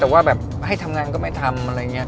แต่ว่าแบบให้ทำงานก็ไม่ทำอะไรอย่างนี้